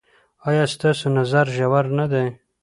ایا ستاسو نظر ژور نه دی؟